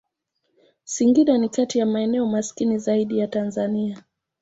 Singida ni kati ya maeneo maskini zaidi ya Tanzania.